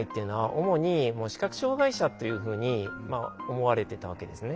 主に視覚障害者というふうに思われてたわけですね。